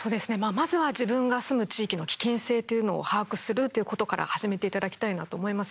まずは自分が住む地域の危険性というのを把握するということから始めていただきたいなと思います。